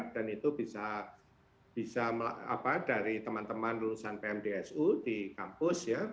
dan itu bisa dari teman teman lulusan pmdsu di kampus ya